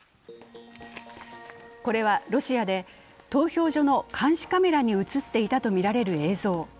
これはロシアで投票所の監視カメラに映っていたとみられる映像。